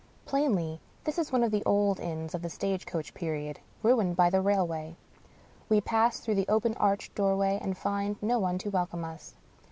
Plainly, this is one of the old inns of the stage coach period, ruined by the rail way. We pass through the open arched doorway, and find no one to welcome us.